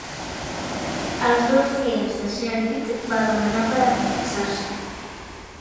Als dos dies de ser al llit va demanar pera confessar-se